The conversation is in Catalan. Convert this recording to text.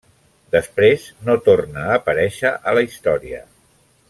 Després no torna a aparèixer a la història.